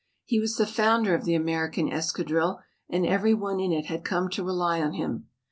He was the founder of the American escadrille and every one in it had come to rely on him.